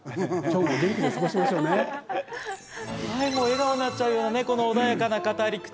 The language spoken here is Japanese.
笑顔になっちゃうような、この穏やかな語り口。